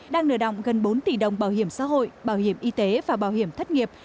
đang nợ động gần bốn tỷ đồng bảo hiểm xã hội bảo hiểm y tế và bảo hiểm thất nghiệp